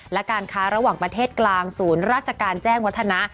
และการค้าระหว่างประเทศกลางศูนย์ราชการแจ้งวัฒนะ